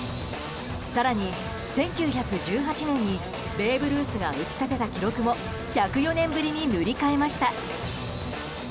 更に１９１８年にベーブ・ルースが打ち立てた記録も１０４年ぶりに塗り替えました。